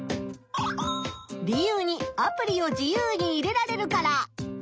理由に「アプリを自由にいれられるから」。